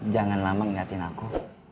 jangan lama ngeliatin aku